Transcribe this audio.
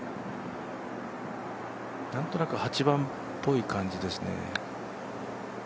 なんとなく、８番っぽい感じですね。